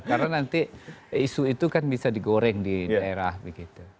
karena nanti isu itu kan bisa digoreng di daerah begitu